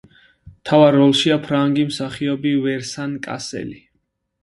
მთავარ როლშია ფრანგი მსახიობი ვენსან კასელი.